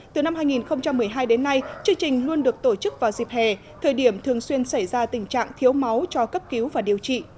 từ năm hai nghìn một mươi hai đến nay chương trình luôn được tổ chức vào dịp hè thời điểm thường xuyên xảy ra tình trạng thiếu máu cho cấp cứu và điều trị